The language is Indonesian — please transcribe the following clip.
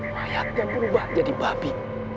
mayaknya berubah jadi babi